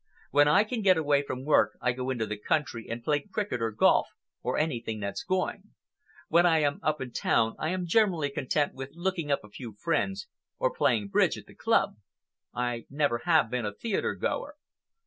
When I can get away from work I go into the country and play cricket or golf, or anything that's going. When I am up in town, I am generally content with looking up a few friends, or playing bridge at the club. I never have been a theatre goer.